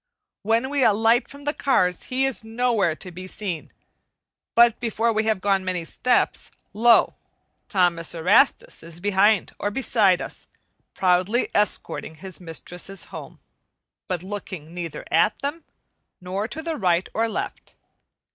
When we alight from the cars he is nowhere to be seen. But before we have gone many steps, lo! Thomas Erastus is behind or beside us, proudly escorting his mistresses home, but looking neither at them, nor to the right or left.